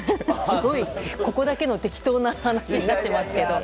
すごい、ここだけの適当な話になっていますけど。